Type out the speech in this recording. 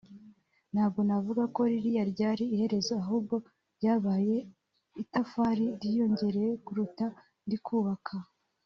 ntabwo navuga ko ririya ryari iherezo ahubwo ryabaye itafari ryiyongereye ku rukuta ndi kubaka